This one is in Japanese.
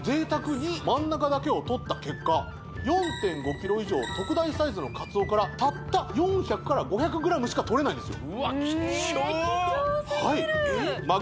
贅沢に真ん中だけをとった結果４．５ｋｇ以上特大サイズの鰹からたった４００５００ｇしかとれないんですよ